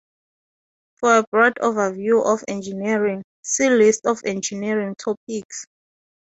For a broad overview of engineering, see List of engineering topics.